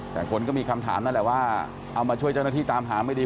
แต่คนก็มีคำถามนั่นแหละว่าเอามาช่วยเจ้าหน้าที่ตามหาไม่ดี